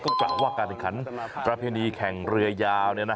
ก็บอกว่าการสินค้านประเพณีแข่งเรือยาว